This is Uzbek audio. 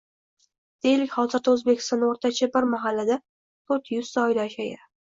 Deylik, hozirda O‘zbekistonda o‘rtacha bir mahallada to'rt yuzta oila yashaydi.